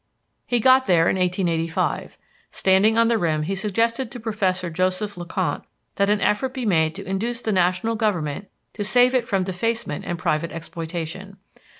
He got there in 1885. Standing on the rim he suggested to Professor Joseph Le Conte that an effort be made to induce the national government to save it from defacement and private exploitation.